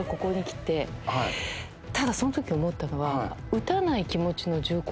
ただその時思ったのは。